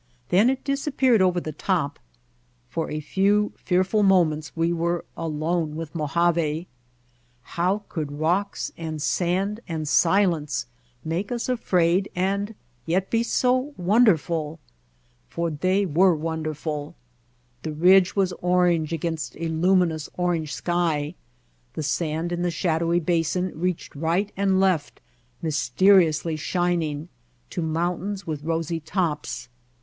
Then it dis appeared over the top. For a few fearful mo ments we were alone with Mojave. How could rocks and sand and silence make us afraid and yet be so wonderful? For they were wonderful. The ridge was orange against a luminous orange sky, the sand in the shadowy basin reached right and left, mysteriously shining, to mountains with rosy tops.